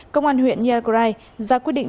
công an huyện iagrai ra quyết định